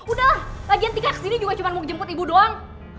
udahlah bagian tiga kesini juga cuma mau jemput ibu doang